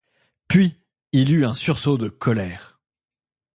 Puis, il eut un premier sursaut de colère.